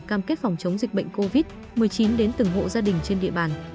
cam kết phòng chống dịch bệnh covid một mươi chín đến từng hộ gia đình trên địa bàn